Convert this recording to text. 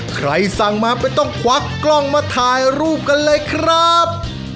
ใครสั่งมาไม่ต้องควักกล้องมาถ่ายรูปกันเลยครับ